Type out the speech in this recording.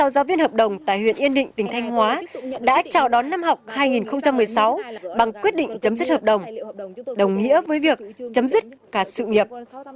sáu trăm bốn mươi sáu giáo viên hợp đồng tại huyện yên định tỉnh thành hóa đã chào đón năm học hai nghìn một mươi sáu bằng quyết định chấm dứt hợp đồng đồng nghĩa với việc chấm dứt cả sự nghiệp